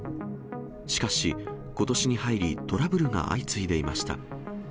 しかしことしに入り、トラブルが相次いでいました。